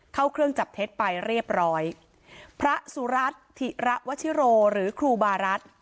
เข้าเครื่องจับเท็จไปเรียบร้อยพระสุรัตน์ถิระวชิโรหรือครูบารัฐ